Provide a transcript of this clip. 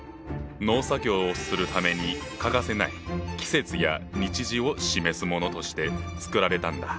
農作業をするために欠かせない季節や日時を示すものとして作られたんだ。